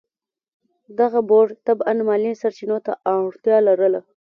دغه بورډ طبعاً مالي سرچینو ته اړتیا لرله.